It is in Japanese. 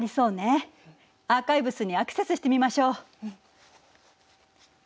アーカイブスにアクセスしてみましょう。